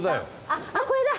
あっこれだ！